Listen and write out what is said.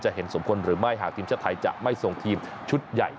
เห็นสมควรหรือไม่หากทีมชาติไทยจะไม่ส่งทีมชุดใหญ่